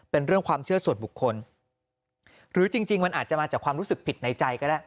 เป็นเรื่องความเชื่อส่วนบุคคลหรือจริงมันอาจจะมาจากความรู้สึกผิดในใจก็ได้